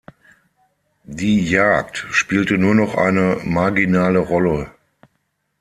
Die Jagd spielte nur noch eine marginale Rolle.